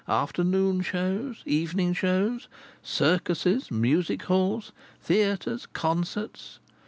Afternoon shows! Evening shows! Circuses, music halls, theatres, concerts!